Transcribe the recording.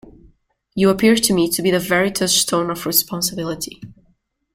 You appear to me to be the very touchstone of responsibility.